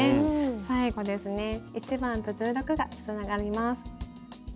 最後ですね１番と１６がつながります。